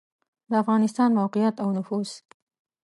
د افغانستان موقعیت او نفوس